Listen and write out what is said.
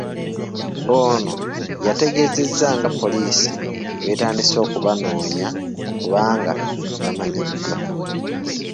Ono yategeezezza nga poliisi bw'etandise okubanoonya kubanga bamanyiddwa.